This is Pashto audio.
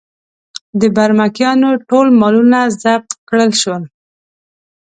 د برمکیانو ټول مالونه ضبط کړل شول.